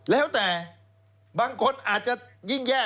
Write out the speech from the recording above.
แล้วแต่บางคนอาจจะยิ่งแย่